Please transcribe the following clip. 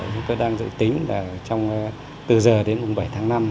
chúng tôi đang dự tính là từ giờ đến hùng bảy tháng năm